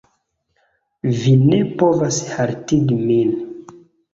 vi ne povas haltigi min.